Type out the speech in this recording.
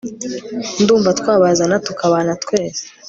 Ndumva twabazana tukabana twese